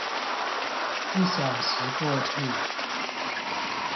一小時過去